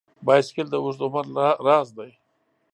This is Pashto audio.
بایسکل د اوږده عمر راز دی.